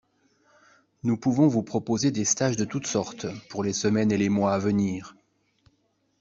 Nous pouvons vous proposer des stages de toutes sortes pour les semaines et les mois à venir.